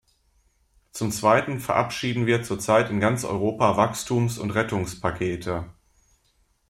Zum Zweiten verabschieden wir zurzeit in ganz Europa Wachstums- und Rettungspakete.